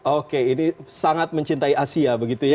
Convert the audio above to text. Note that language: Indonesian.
oke ini sangat mencintai asia begitu ya